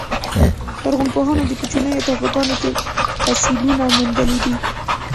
لرغونپوهانو کوچنیو ټاپوګانو کې فسیلونه موندلي دي.